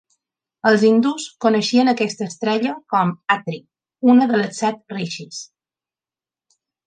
Els hindús coneixien aquesta estrella com "Atri", una de les Set Rishis.